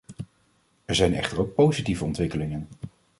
Er zijn echter ook positieve ontwikkelingen.